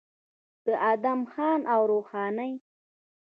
د ادم خان او درخانۍ